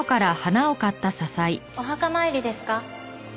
お墓参りですか？